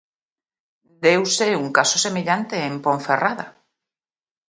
Deuse un caso semellante en Ponferrada.